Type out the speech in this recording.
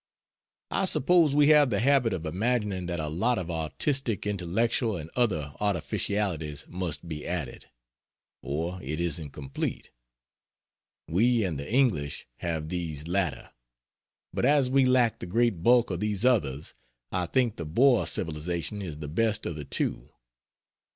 I suppose we have the habit of imagining that a lot of artistic, intellectual and other artificialities must be added, or it isn't complete. We and the English have these latter; but as we lack the great bulk of these others, I think the Boer civilization is the best of the two.